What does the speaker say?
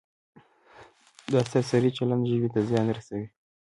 دا سرسري چلند ژبې ته زیان رسوي.